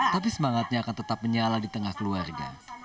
tapi semangatnya akan tetap menyala di tengah keluarga